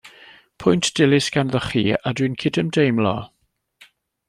Pwynt dilys ganddoch chi a dw i'n cydymdeimlo.